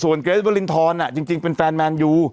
ส่วนเกรทวิลินทรจริงเป็นแฟนแมนยู